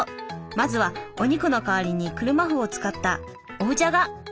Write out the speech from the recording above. まずはお肉の代わりに車麩を使ったお麩じゃが。